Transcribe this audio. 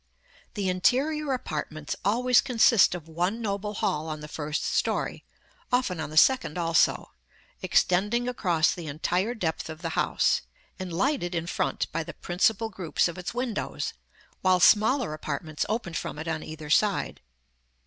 § LX. The interior apartments always consist of one noble hall on the first story, often on the second also, extending across the entire depth of the house, and lighted in front by the principal groups of its windows, while smaller apartments open from it on either side.